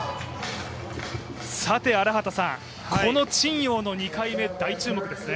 さて荒畑さん、この陳ヨウの２回目、大注目ですね。